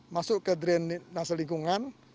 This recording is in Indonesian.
masuk ke drain nasa lingkungan